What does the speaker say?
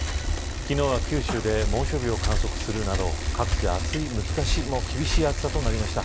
昨日は九州で猛暑日を観測するなど各地で厳しい暑さとなりました。